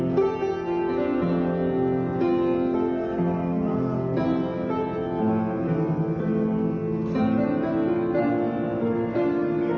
มีคุณใจในใครมากกว่านี้